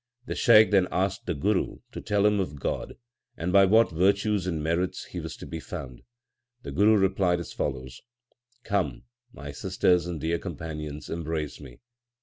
The Shaikh then asked the Guru to tell him of God, and by what virtues and merits He was to be found. The Guru replied as follows : Come, my sisters and dear companions, embrace me.